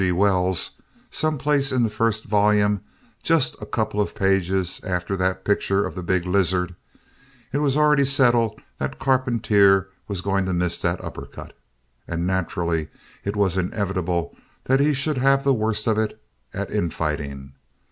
G. Wells, some place in the first volume, just a couple of pages after that picture of the big lizard) it was already settled that Carpentier was going to miss that uppercut. And naturally it was inevitable that he should have the worst of it at infighting.